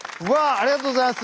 ありがとうございます。